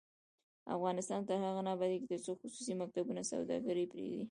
افغانستان تر هغو نه ابادیږي، ترڅو خصوصي مکتبونه سوداګري پریږدي.